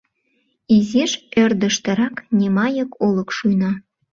Изиш ӧрдыжтырак Немайык олык шуйна.